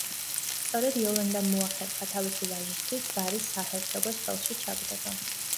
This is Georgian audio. სწორედ იოლანდამ მოახერხა თავისი ვაჟისათვის ბარის საჰერცოგოს ხელში ჩაგდება.